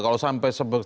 kalau sampai sebegitu